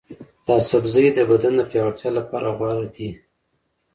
دا سبزی د بدن د پیاوړتیا لپاره غوره دی.